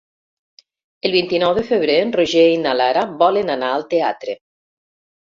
El vint-i-nou de febrer en Roger i na Lara volen anar al teatre.